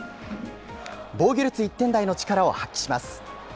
防御率１点台の力を発揮します。